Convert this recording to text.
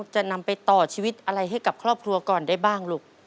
จะนำไปต่อชีวิตอะไรให้กับครอบครัวก่อนได้บ้างลูก